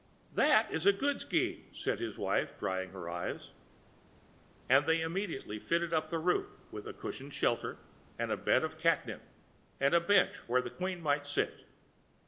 "That is a good scheme," said his wife, drying her eyes. And they immediately fitted up the roof with a cushioned shelter, and a bed of catnip, and a bench where the Queen might sit.